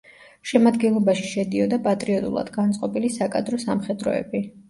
შემადგენლობაში შედიოდა პატრიოტულად განწყობილი საკადრო სამხედროები.